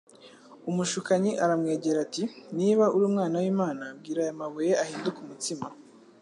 Umushukanyi aramwegera ati : Niba uri Umwana w'Imana bwira aya mabuye ahinduke umutsima.